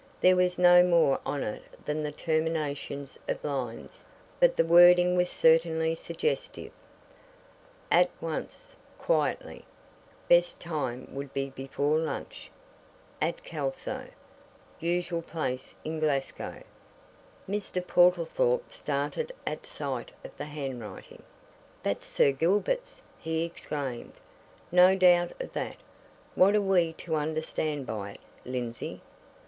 There was no more on it than the terminations of lines but the wording was certainly suggestive: ".... at once, quietly .... best time would be before lunch .... at Kelso .... usual place in Glasgow." Mr. Portlethorpe started at sight of the handwriting. "That's Sir Gilbert's!" he exclaimed. "No doubt of that. What are we to understand by it, Lindsey?"